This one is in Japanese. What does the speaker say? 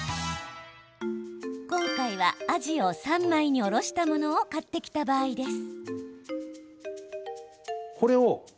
今回はアジを三枚におろしたものを買ってきた場合です。